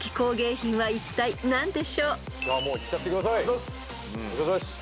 もういっちゃってください。